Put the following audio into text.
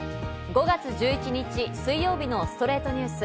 ５月１１日、水曜日の『ストレイトニュース』。